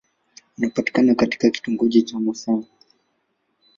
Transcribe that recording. Unapatikana katika kitongoji cha Mouassine.